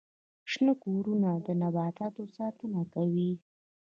شنه کورونه د نباتاتو ساتنه کوي